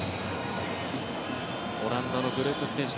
オランダのグループステージ